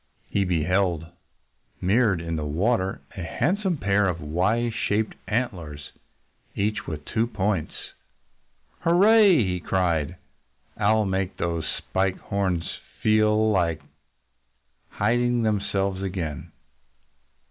He beheld, mirrored in the water, a handsome pair of Y shaped antlers, each with two points! "Hurrah!" he cried. "I'll make those Spike Horns feel like hiding themselves again."